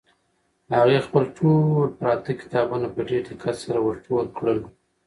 هغې خپل ټول پراته کتابونه په ډېر دقت سره ور ټول کړل.